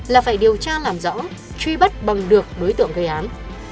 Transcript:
là phải điều tra làm rõ truy bắt bằng được đối tượng gây án